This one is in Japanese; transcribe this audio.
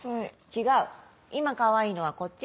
違う今かわいいのはこっち。